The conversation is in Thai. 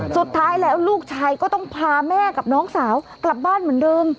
สุดท้ายแล้วลูกชายก็ต้องพาแม่กับน้องสาวกลับบ้านเหมือนเดิม